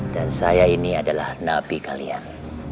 dan saya ini adalah nabi kalian